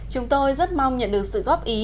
chúng tôi rất mong nhận được sự góp ý